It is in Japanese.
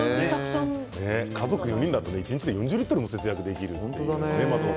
家族４人だと一日で４０リットルも節約できるんですね。